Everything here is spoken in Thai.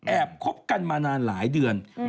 คบกันมานานหลายเดือน